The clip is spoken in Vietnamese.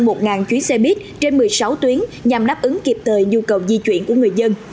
một chuyến xe buýt trên một mươi sáu tuyến nhằm đáp ứng kịp thời nhu cầu di chuyển của người dân